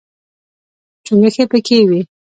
چونګښې پکې وي.